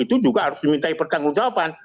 itu juga harus dimintai pertanggung jawaban